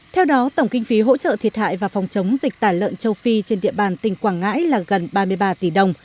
theo đó tổng kinh phí hỗ trợ thiệt hại và phòng chống dịch tả lợn châu phi trên địa bàn tỉnh quảng ngãi là gần ba mươi ba tỷ đồng